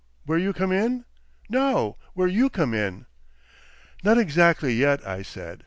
"Where you come in?" "No, where _you _come in." "Not exactly, yet," I said.